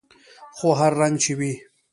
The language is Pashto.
خو هر رنګه چې وي.